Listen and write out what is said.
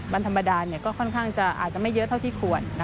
วันธรรมดาอาจจะไม่เยอะเท่าที่ควร